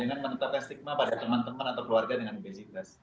dengan menetapkan stigma pada teman teman atau keluarga dengan gaji gas